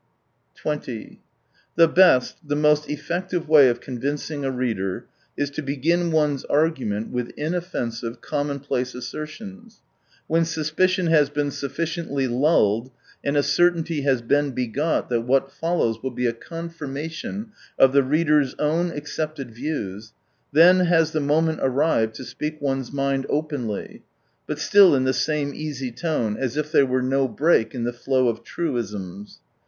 20 The best, the most effective way of convincing a reader is to begin one's argu ment with inoffensive, commonplace asser tions. When suspicion has been sufficiently lulled, and a certainty has been begot that what follows will be a confirmation of the readers own accepted views — then has the moment arrived to speak one's mind openly, but still in the same easy tone, as if there were no break in the flow of truisms.